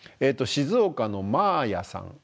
静岡のまーやさん。